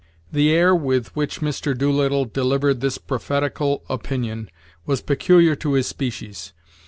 The air with which Mr. Doolittle delivered this prophetical opinion was peculiar to his species.